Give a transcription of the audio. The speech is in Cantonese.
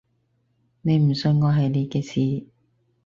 你唔信我係你嘅事